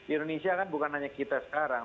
indonesia kan bukan hanya kita sekarang